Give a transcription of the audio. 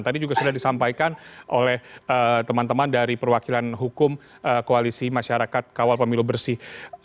tadi juga sudah disampaikan oleh teman teman dari perwakilan hukum koalisi masyarakat kawal pemilu bersih